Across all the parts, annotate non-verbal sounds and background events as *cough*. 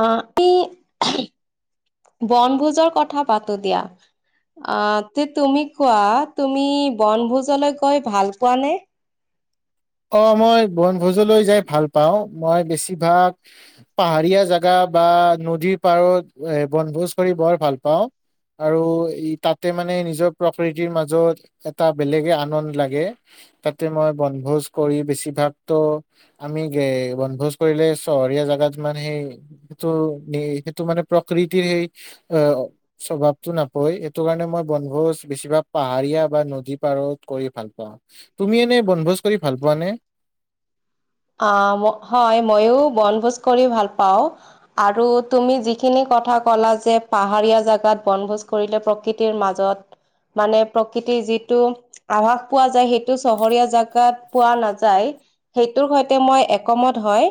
অ ই বনভোজৰ কথা পাতো দিয়া অ তে তুমি কোৱা তুমি বনভোজলৈ গৈ ভাল পোৱা নে অ মই বনভোজলৈ যাই ভাল পাওঁ মই বেছিভাগ পাহাৰীয়া জেগা বা নদীৰ পাৰত এ বনভোজ কৰি বৰ ভাল পাওঁ আৰু ই তাতে মানে নিজৰ প্ৰকৃতিৰ মাজত এটা বেলেগে আনন্দ লাগে তাতে মই বনভোজ কৰি বেছিভাগ ত আমি গে বনভোজ কৰিলে চহৰীয়া জেগাত মানে সেই ত এ সেইটো মানে প্ৰকৃতিৰ সেই অ স্বভাৱতো নাপায় সেইটো কাৰণে মই বনভোজ বেছিভাগ পাহাৰীয়া বা নদী পাৰত কৰি ভাল পাওঁ তুমি এনে বনভোজ কৰি ভাল পোৱা নে আ ম হয় ময়ো বনভোজ কৰি ভাল পাওঁ আৰু তুমি যিখিনি কথা ক'লা যে পাহাৰীয়া জাগাত বনভোজ কৰিলে প্ৰ কৃতিৰ মাজত মানে প্ৰকৃতিৰ যিটো আভাস পোৱা যায় সেইটো চহৰীয়া জাগাত পোৱা নাযায় তোৰ সৈতে মই একমত হয়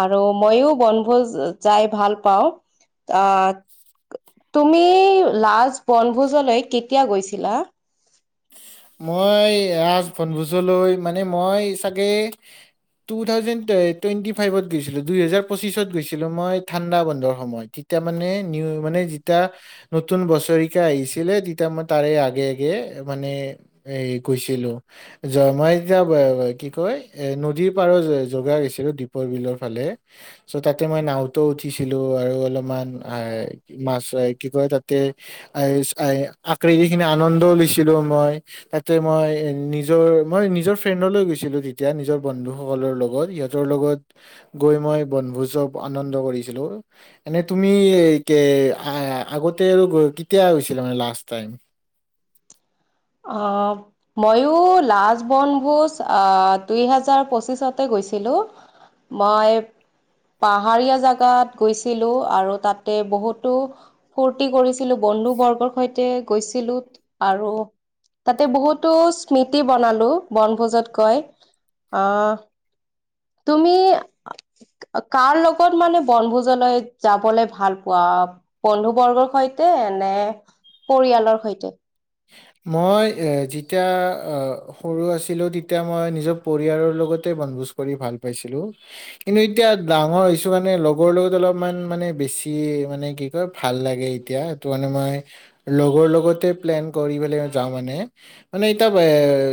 আৰু ময়ো বনভোজ যাই ভাল পাওঁ আ তুমি লাষ্ট বনভোজলৈ কেতিয়া গৈছিলা মই লাষ্ট বনভোজলৈ মানে মই চাগে টু থাউজেণ্ড ট টুৱেণ্টি ফাইভত গৈছিলো দুই হেজাৰ পঁচিছত গৈছিলো মই ঠাণ্ডা বন্ধৰ সময়ত তেতিয়া মানে নিউ মানে যেতিয়া নতুন বছৰিকা আহিছিলে তেতিয়া মই তাৰে আগে আগে মানে এই গৈছিলো য মই এতিয়া কি কয় এ নদীৰ পাৰত য যগা গৈছিলো দ্বীপৰ বিলৰ ফালে চ' তাতে মই নাওঁতো উঠিছিলো, আৰু অলপমান আৰ মাছ এই কি কয়, তাতে এ এই আকৃতি খিনি আনন্দও লৈছিলো মই। তাতে মই নিজৰ মই নিজৰ ফ্ৰেণ্ডলৈ গৈছিলো, তেতিয়া নিজৰ বন্ধু সকলৰ লগত, ইহঁ তৰ লগত গৈ মই বনভোজৰ আনন্দ কৰিছিলোঁ। এনে তুমি কে আগতে আৰু কেতিয়া গৈছিলা মানে লাষ্ট টাইম? অ'। ময়ো লাজ বনভোজ আহ দুই হাজৰ পঁচিশতে গৈছিলোঁ। মই পাহাৰীয়া জেগাত গৈছিলো, আৰু তাতে বহুতো ফূৰ্তি কৰিছিলোঁ, বন্ধু বৰ্গৰ সৈতে গৈছিলোঁ, আৰু তাতে বহুতো স্মৃতি বনালো, বনভোজত গৈ আহ তুমি কাৰ লগত মানে বনভোজলৈ যাবলে ভাল পোৱা? বন্ধু বৰ্গৰ সৈতে নে পৰিয়ালৰ সৈতে? মই যেতিয়া সৰু আছিলো, তেতিয়া মই নিজৰ পৰিয়ালৰ লগতে বনভোজ কৰি ভাল পাইছিলো। কিন্তু এতিয়া ডাঙৰ হৈছো কাৰণে লগৰ লগত অলপমান মানে বেছি মানে কি ভাল লাগে এতিয়া, টো মানে মই লগৰ লগতে প্লেন কৰি পেলাই যাওঁ মানে। মানে এতিয়া,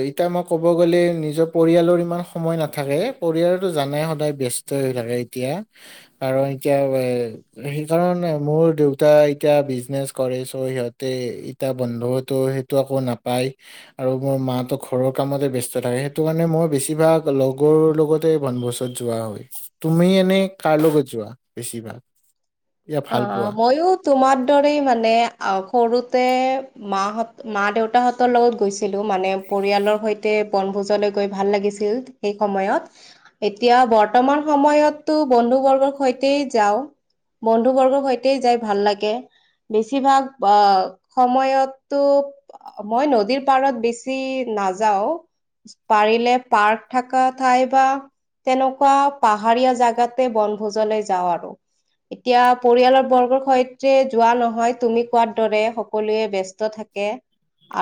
এতিয়া মই ক'ব গ'লে নিজৰ পৰিয়ালৰ ইমান সময় নাথাকে। পৰিয়ালতো জনয়ে সদায় ব্যস্তই হৈ থাকে এতিয়া, কাৰণ এতিয়া সেইকাৰণ, মোৰ দেউতা এতিয়া বিজনেচ কৰে চ' সিহঁতে ইতিয়া বন্ধতো, সেইটো একো নাপায়। আৰু মোৰ মাহটৰ ঘৰৰ কামতে ব্যস্ত থাকে, সেইটো কাৰণে মই বেছিভাগ লগৰ লগতে বনভোজ যোৱা হয়, তুমি এনে কাৰ লগত যোৱা বেছিভাগ? ইয়া ভাল অ', পোৱা মইয়ো তোমাৰ দৰেই মানে সৰুতে মাহঁত, মা দেউতাহঁতৰ লগত গৈছিলোঁ, মানে পৰিয়ালৰ সৈতে বনভোজলৈ গৈ ভাল লাগিছিল। সেই সময়ত, এতিয়া বৰ্তমান সময়তো বন্ধু বৰ্গৰ সৈতে যাওঁ। বন্ধুবৰ্গৰ সৈতে যাই ভাল লাগে। বেছিভাগ আহ সময়তো মই নদীৰ পাৰত বেছি নাযাও। পাৰিলে পাৰ্ক থাকা ঠাই বা তেনেকুৱা পাহাৰীয়া জাগাতে বনভোজলে যাওঁ আৰু। এতিয়া পৰিয়ালৰ বৰ্গৰ সৈতে যোৱা নহয় তুমি কোৱাৰ দৰে, সকলোৱে ব্যস্ত থাকে।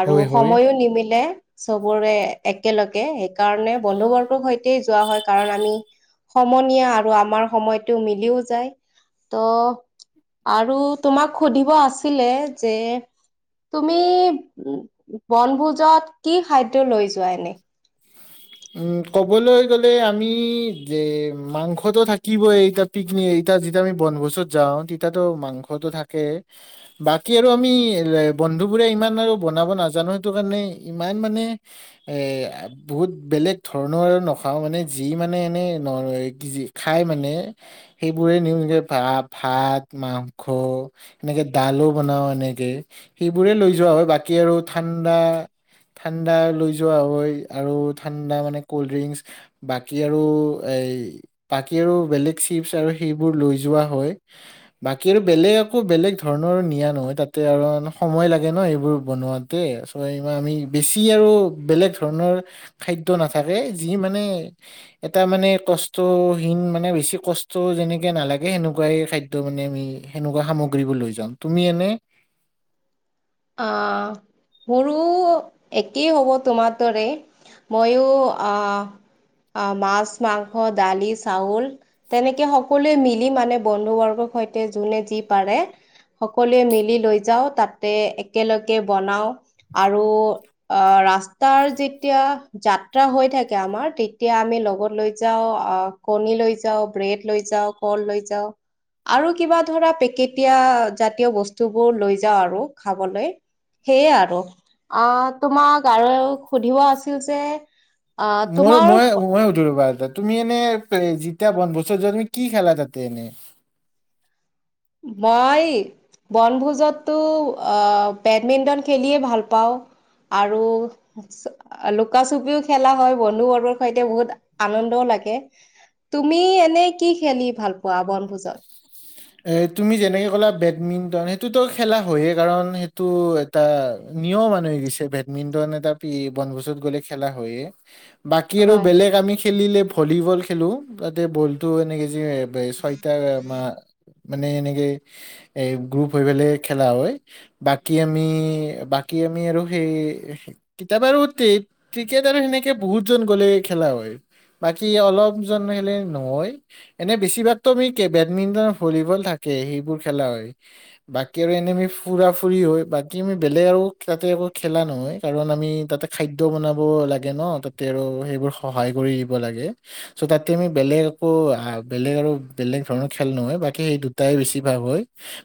আৰু হয় হয় সময়ো নিমিলে চবৰে একেলগে, সেই কাৰণে বন্ধু বৰ্গ সৈতে তে, যোৱা হয়, কাৰণ আমি সমনীয়া আৰু আমাৰ সময়তটো মিলিও যায়। ত' আৰু তোমাক সুধিব আছিলে, যে তুমি উ, বনভোজত কি খাদ্য লৈ যোৱা এনে? উম, ক'বলৈ গ'লে আমি যে মাংসটো থাকিবই এই তাত। পিকনিক, এতিয়া যেতিয়া বনভোছত যাওঁ, তিতিয়াটো মাংসটো থাকে। বাকী আৰু আমি বন্ধুবোৰে ইমান আৰু বনাব নাজানো সেইটো কাৰণে ইমান মানে, এ বহুত বেলেগ ধৰণৰ নখাওঁ মানে, যি মানে এনেই খায় মানে। সেইবোৰে নিউ, ভাত-মাংস এনেকে ডালো বনাও এনেকে, সেইবোৰে লৈ যোৱা হয়, বাকী আৰু ঠাণ্ডা ঠাণ্ডা লৈ যোৱা হয়, আৰু ঠাণ্ডা মানে কল্ড ড্ৰিংকচ বাকী আৰু এই বাকী আৰু বেলেগ চিপচ আৰু সেইবোৰ লৈ যোৱা হয়। বাকী আৰু বেলেগ আকৌ নিয়া নহয় তাতে আৰু সময় লাগে ন এইেবোৰ বনোৱাত চ' এই আমি বেছি আৰু বেলেগ ধৰণৰ খাদ্য নাথাকে যি মানে এটা মানে কষ্টহীন, মানে বেছি কষ্ট যেনেকে নালাগে সেনেকুৱাই খাদ্য ত' মানে আমি সেনেকুৱা সামগ্ৰীবোৰ লৈ যাওঁ তুমি এনে অ'। মোৰো, একেই হ'ব তোমাৰ দৰে, মইয়ো আ আহ, মাছ, মাংস, দালি, চাউল তেনেকে সকলোৱে মিলি মানে বন্ধু বৰ্গৰ সৈতে যোনে যি পাৰে সকলোৱে মিলি লৈ যাওঁ, তাতে একেলগে বনাওঁ আৰু আহ, ৰাস্তাৰ যেতিয়া যাত্ৰা হৈ থাকে আমাৰ, তেতিয়া আমি লগত লৈ যাওঁ, কণী লৈ যাওঁ, ব্ৰেড লৈ যাওঁ কল লৈ যাওঁ। আৰু কিবা ধৰা পেকেটীয়া জাতীয় বস্তুবোৰ লৈ যাওঁ আৰু খাবলৈ। সেয়ে আৰু, আহ তোমাক আৰু সুধিব আছিল যে আহ মই তোমাৰ মই, মইয়ে উঠো ৰবা আঠতাত। তুমি এনে যেতিয়া বনভোছত যোৱা, তুমি কি খেলা তাতে এনে? মই বনভোজততো আহ, বেডমিণ্টন খেলিয়ে ভাল পাওঁ। আৰু লুকা চুপিও খেলা হ'য়, বন্ধু বৰ্গৰ সৈতে বহুত, আনন্দও লাগে। তুমি এনে কি খেলি ভাল পোৱা বনভোজত? এই তুমি যেনেকে ক'লা বেডমিণ্টন, সেইটোতো খেলা হয়য়েই কাৰণ সেইটো এটা নিয়ম হান হয় গৈছে, বেডমিন্টন এটা পি বনভোজত গ'লে খেলা হয়য়ে। বাকী আৰু হয় বেলেগ আমি খেলিলে ভলীবল খেলো তাতে বলটো এনেকে যে ছয়টা মা মানে এনেকে এ, হে গ্ৰুপ হৈ পেলাই খেলা হ'য়। বাকী আমি, বাকী আমি, আৰু সেই কিতাপ আৰু তে, ক্ৰিকেট আৰু সেনেকে বহুত জন গ'লে খেলা হয়। বাকী অলপজন গেলে নহ'য়, এনেই বেছিভাগতো আমি বেডমিণ্টন ভলীবল থাকে সেইবোৰ খেলা হ'য়। বাকী আৰু এনে আমি ফুৰা-ফুৰি হয়, বাকী আমি বেলেগ আৰু তাতে একো খেলা নহয়। কাৰণ আমি তাতে খাদ্য বনাব লাগে ন' তাতে আৰু সেইবোৰ সহায় কৰি দিব লাগে। চ' তাতে আমি বেলেগ একো বেলেগ আৰু বেলেগ ধৰণৰ খেল নহয় বাকী সেই দুটাই বেছি ভাগ হয়।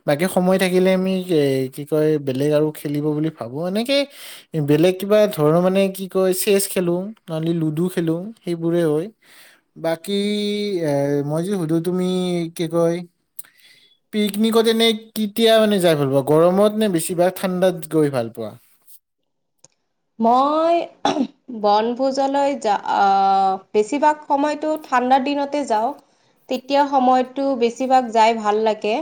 বাকী সময় থাকিলে আমি এ, কি কয় বেলেগ আৰু খেলিব বুলি ভাবো এনেকে বেলেগ কিবা ধৰণৰ মানে কি কয় চেচ খেলো, লুডু খেলো, সেইবোৰে হ'য়। বাকী এ, মই যদি সুধো তুমি কি কয় *inaudible* পিকনিকত এনে কেতিয়া মানে যাই ভাল পোৱা, গৰমত নে বেছিভাগ ঠাণ্ডাত গৈ ভাল পোৱা? মই বনভোজলৈ যা, আহ, বেছিভাগ সময়তো ঠাণ্ডাৰ দিনতে যাওঁ। তেতিয়া সময়টো বেছিভাগ যাই ভাল লাগে।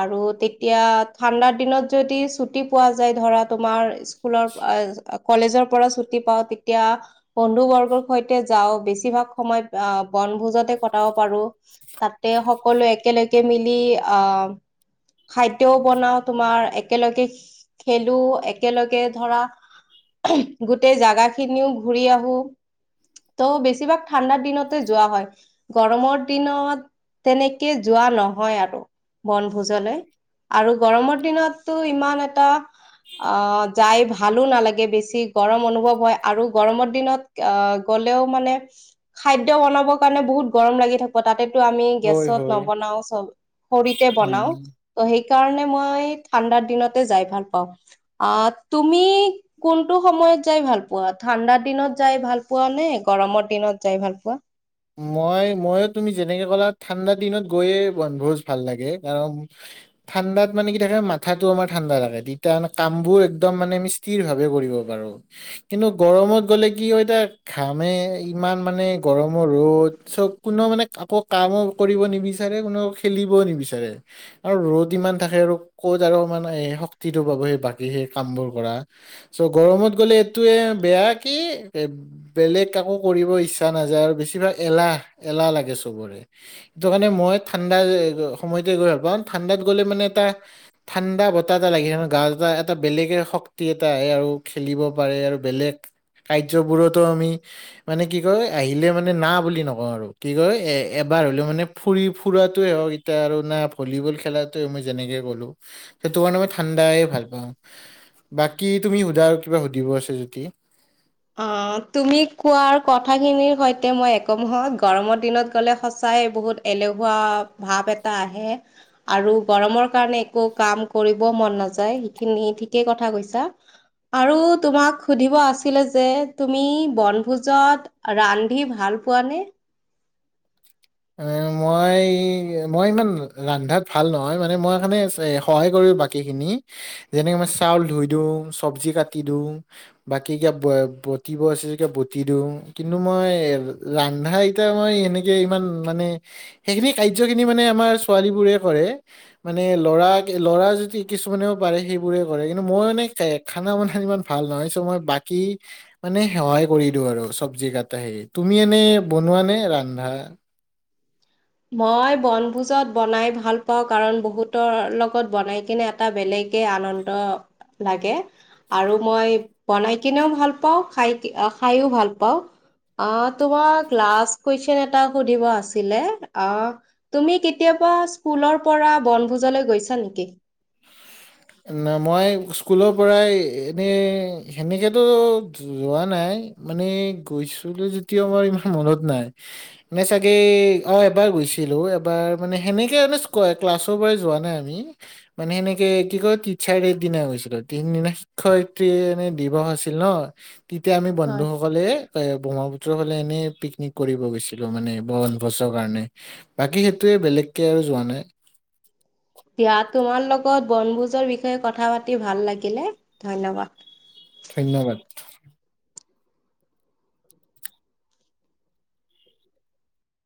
আৰু তেতিয়া ঠাণ্ডাৰ দিনত যদি চুটি পোৱা যায় ধৰা তোমাৰ স্কুলৰ কলেজৰ পৰা ছুটি পাওঁ তেতিয়া বন্ধু বৰ্গৰ সৈতে যাওঁ বেছিভাগ সময়, আহ বনভোজতে কটাব পাৰো। তাতে সকলোৱে একেলগে মিলি আহ খাদ্যও বনাওঁ, তোমাৰ একেলগে খেলো, একেলগে ধৰা গোটেই জাগা খিনিও ঘুৰি আহো। ত' বেছিভাগ ঠাণ্ডাৰ দিনতে যোৱা হয়। গৰমৰ দিনত, তেনেকে যোৱা নহয় আৰু বনভোজলে। আৰু গৰমৰ দিনতটো ইমান এটা, আহ যাই ভালো নালাগে। বেছি গৰম অনুভৱ হয়, আৰু গৰমৰ দিনত‌ আহ গ'লেও মানে খাদ্য বনাবৰ কাৰণে বহুত গৰম লাগি থাকে তাতেতো আমি হয় গেছত হয়। নবনাওঁ, চব খৰিতে বনাওঁ। উম তো সেইকাৰণে মই ঠাণ্ডাৰ দিনতে যাই ভাল পাওঁ, আহ তুমি কোনটো সময়ত যাই ভাল পোৱা, ঠাণ্ডা দিনত যাই ভাল পোৱা নে, গৰমৰ দিনত যাই ভাল পোৱা? মই, মই ময়ো তুমি যেনেকে ক'লা ঠাণ্ডা দিনত গৈয়ে বনভোজ ভাল লাগে কাৰণ ঠাণ্ডাত মানে কি থাকে মাথাতো আমাৰ ঠাণ্ডা থাকে তেতিয়া মানে কামবোৰ একদম মানে স্থিৰ ভাৱে কৰিব পাৰো। কিন্তু গৰমত গ'লে কি হ'য়, এতিয়া ঘামে ইমান মানে গৰম ৰদ চব কোন, মানে কাকো কামো কৰিব নিবিচাৰে, কোনেওঁ খেলিবওঁ নিবিচাৰে। আৰু ৰ'দ ইমান থাকে আৰু ক'ত আৰু মানে এই শক্তিটো পাব, সেই বাকী সেই কামবোৰ কৰা। চো' গৰমত গ'লে এইটোয়ে বেয়া কি এ বেলেগ একো কৰিব ইচ্ছা নাযায়, আৰু বেছিভাগ এলাহ, এলাহ লাগে চবৰে। সেইটোকাৰণে মই ঠাণ্ডা সময়তে গৈ ভাল পাওঁ, ঠাণ্ডাত গলে মানে এটা ঠাণ্ডা বতাহ এটা লাগি থাকে, গা এটা, এটা বেলেগে শক্তি এটা আহে আৰু খেলিব পাৰে আৰু বেলেগ কাৰ্যবোৰতো আমি, মানে কি কৰো আহিলে মানে না বুলি নকওঁ আৰু, কি কয় এ এবাৰ হ'লেওঁ মানে ফুৰি ফুৰাটোৱে হওঁক এয়া আৰু না ভলীবল খেলাতোৱে মই যেনেকে ক'লো, সেইটো কাৰণে মই ঠাণ্ডাই ভাল পাওঁ। বাকী, তুমি সোধা আৰু কিবা সুধিব আছে যদি। আহ, তুমি কোৱাৰ কথাখিনিৰ সৈতে, মই একমহত গৰমৰ দিনত গ'লে সঁচাই বহুত এলেহুৱা ভাৱ এটা আহে। আৰু গৰমৰ কাৰণে একো কাম কৰিবওঁ মন নাযায়, সেইখিনি ঠিকেই কথা কৈছা। আৰু তোমাক সুধিব আছে ছিলে যে, তুমি বনভোজত ৰান্ধি ভাল পোৱা নে? মই, মই ইমান ৰান্ধাত ভাল নহয় মানে, মই মানে সহায় কৰি বাকী বাকীখিনি, যেনেকে মই চাউল ধুই দিওঁ, চবজি কাটি দিওঁ। বাকী কিবা বটিব আছে, যদি বটি দিওঁ কিন্তু মই ৰান্ধাই এতিয়া মই এনেকে ইমান মানে, সেইখিনি কাৰ্যখিনি মানে আমাৰ ছোৱালী বোৰে কৰে। মানে ল'ৰা, ল'ৰা যদি কিছুমানেও পাৰে সেইবোৰে কৰে কিন্তু মই মানে এ খানা বনাই ইমান ভাল নহয়, চো মই বাকী মানে সহায় কৰি দিওঁ আৰু চব্জি কাটা সেই, তুমি এনে বনোৱা নে ৰান্ধা? মই বনভোজত বনাই ভাল পাওঁ, কাৰণ বহুতৰ লগত বনাই কিনে এটা বেলেগে আনন্দ লাগে। আৰু মই বনাই কিনেওঁ ভাল পাওঁ, খাই খাইয়ো ভাল পাওঁ। আহ, তোমাক লাষ্ট কুৱেশন এটা সুধিব আছিলে। অহ তুমি কেতিয়াবা স্কুলৰ পৰা বনভোজলৈ গৈছা নেকি। এ না মই স্কুলৰ পৰাই এনেই সেনেকে‌তো। যো যোৱা নাই মানে গৈছিলোঁ যদিও মোৰ ইমান মনত নাই। নে চাগে অহ এবাৰ গৈছিলোঁ এবাৰ মানে সেনেকে আৰু স্কয়। ক্লাছৰ পৰাই যোৱা নাই আমি মানে সেনেকেই। কি কয় টিচাৰ দে দিনা গৈছিলোঁ তিনদিনা শিক্ষয়িত্ৰী এনেই দিৱস আছিল ন। তেতিয়া আমি হয়। বন্ধুসকলে। এই ব্ৰহ্মপুত্ৰৰ ফালে এনেই পিকনিক কৰিব গৈছিলোঁ মানে বনভোজৰ কাৰণে। বাকী সেইটোৱে বেলেগেকে আৰু যোৱা নাই। দিয়া তোমাৰ লগত বনভোজৰ বিষয়ে কথা পাতি ভাল লাগিলে ধন্যবাদ। ধন্যবাদ।